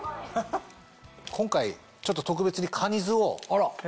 今回ちょっと特別にカニ酢を。